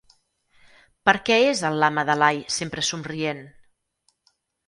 Per què és el Lama Dalai sempre somrient?